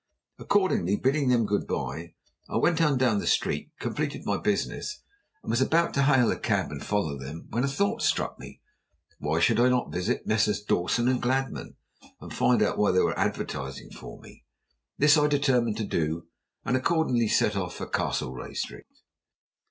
Accordingly, bidding them good bye, I went on down the street, completed my business, and was about to hail a cab and follow them, when a thought struck me: Why should I not visit Messrs. Dawson & Gladman, and find out why they were advertising for me? This I determined to do, and accordingly set off for Castlereagh Street.